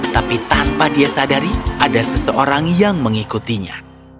tapi tanpa dia sadari ada seseorang yang mengikutinya